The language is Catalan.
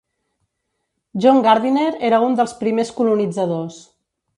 John Gardiner era un dels primers colonitzadors.